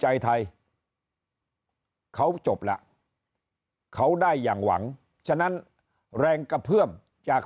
ใจไทยเขาจบแล้วเขาได้อย่างหวังฉะนั้นแรงกระเพื่อมจาก